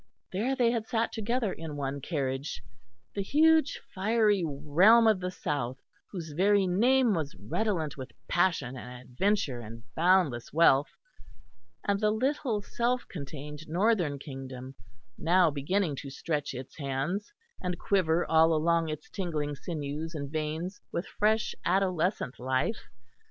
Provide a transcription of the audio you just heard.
There they had sat together in one carriage; the huge fiery realm of the south, whose very name was redolent with passion and adventure and boundless wealth; and the little self contained northern kingdom, now beginning to stretch its hands, and quiver all along its tingling sinews and veins with fresh adolescent life.